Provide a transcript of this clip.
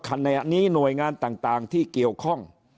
ขณะนี้หน่วยงานต่างที่เกี่ยวข้อง